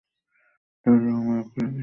তবে রং ও আকারে কিছু পার্থক্য থাকে।